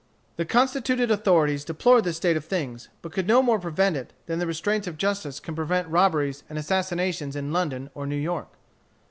The constituted authorities deplored this state of things, but could no more prevent it than the restraints of justice can prevent robberies and assassinations in London or New York.